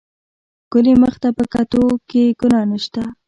ښکلي مخ ته په کتو کښې ګناه نشته.